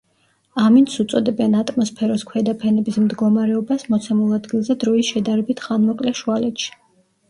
ამინდს უწოდებენ ატმოსფეროს ქვედა ფენების მდგომარეობას მოცემულ ადგილზე დროის შედარებით ხანმოკლე შუალედში.